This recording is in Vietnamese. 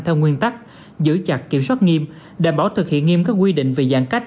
theo nguyên tắc giữ chặt kiểm soát nghiêm đảm bảo thực hiện nghiêm các quy định về giãn cách